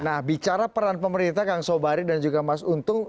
nah bicara peran pemerintah kang sobari dan juga mas untung